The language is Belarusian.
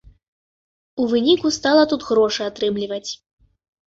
У выніку стала тут грошы атрымліваць.